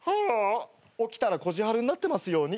起きたらこじはるになってますように」